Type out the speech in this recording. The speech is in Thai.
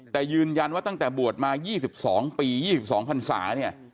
แต่ยืนยันว่าตั้งแต่บวชมา๒๒ปี๒๒พันศาเนี่ย